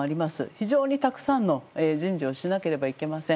非常にたくさんの人事をしなければいけません。